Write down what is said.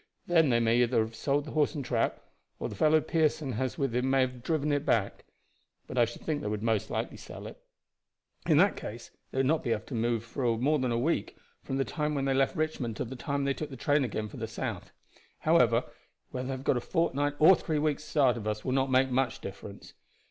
Then they may either have sold the horse and trap, or the fellow Pearson has with him may have driven it back. But I should think they would most likely sell it. In that case they would not be more than a week from the time they left Richmond to the time they took train again for the south. However, whether they have got a fortnight or three weeks' start of us will not make much difference.